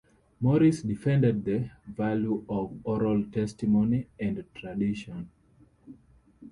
Morris defended the value of oral testimony and tradition.